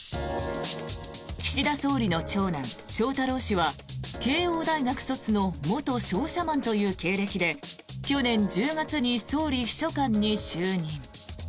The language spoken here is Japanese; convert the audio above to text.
岸田総理の長男・翔太郎氏は慶應大学卒の元商社マンという経歴で去年１０月に総理秘書官に就任。